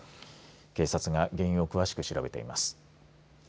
警察が原因を詳しく調べています。